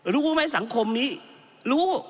รู้ไหมสังคมนี้รู้